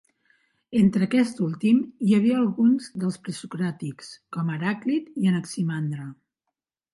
Entre aquest últim hi havia alguns dels presocràtics, com Heràclit i Anaximandre.